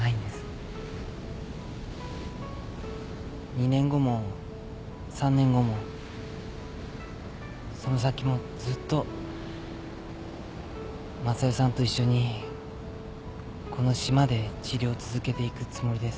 ２年後も３年後もその先もずっと昌代さんと一緒にこの島で治療を続けていくつもりです。